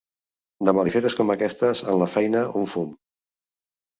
De malifetes com aquesta, en feia un fum.